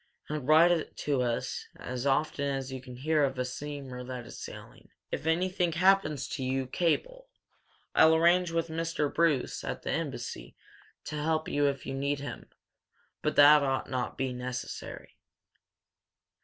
And write to us as often as you can hear of a steamer that is sailing. If anything happens to you, cable. I'll arrange with Mr. Bruce, at the Embassy, to help you if you need him, but that ought not to be necessary."